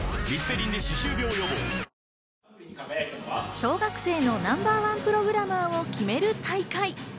小学生のナンバーワンプログラマーを決める大会。